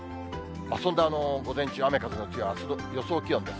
それで午前中、雨風の強いあす、予想気温です。